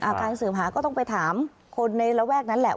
อาจารย์เสิร์ฐหาก็ต้องไปถามคนในละแวกนั้นแหละ